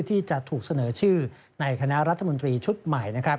ที่จะถูกเสนอชื่อในคณะรัฐมนตรีชุดใหม่